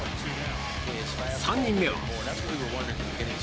３人目は。